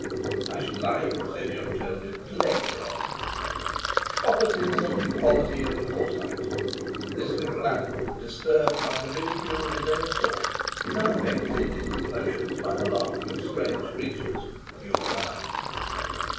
"I should like," said young Jolyon, "to lecture on it: "Properties and quality of a Forsyte: This little animal, disturbed by the ridicule of his own sort, is unaffected in his motions by the laughter of strange creatures (you or I).